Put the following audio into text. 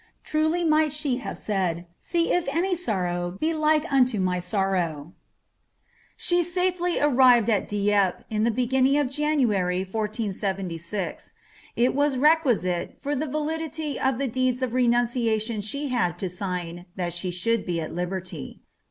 Truly might she have said, "■ See if any sorrow be like unto niy sorrow !" She safely arrived at Dieppe, in the bejtinning of January, 1476 It vu requisite, for the validity of the deeds of renunciation she hod to li^.tliat she should be at liberty.